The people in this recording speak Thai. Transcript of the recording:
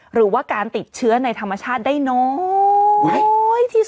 หรือว่าการติดเชื้อในธรรมชาติได้น้อยที่สุด